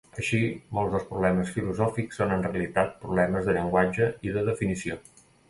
Així, molts dels problemes filosòfics són en realitat problemes de llenguatge i de definició.